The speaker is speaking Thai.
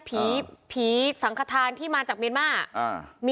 ผีผีสังคทานที่มาจากเมียนมารรรมักอ่า